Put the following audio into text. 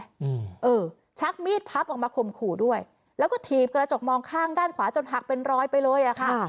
อืมเออชักมีดพับออกมาข่มขู่ด้วยแล้วก็ถีบกระจกมองข้างด้านขวาจนหักเป็นรอยไปเลยอ่ะค่ะ